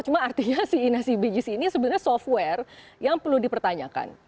cuma artinya si inasi bijis ini sebenarnya software yang perlu dipertanyakan